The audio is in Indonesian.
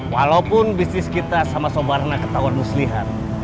walaupun bisnis kita sama sobarna ketahuan muslihat